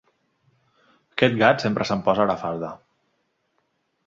Aquest gat sempre se'm posa a la falda.